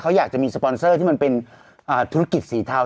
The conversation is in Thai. เขาอยากจะมีสปอนเซอร์ที่มันเป็นธุรกิจสีเทา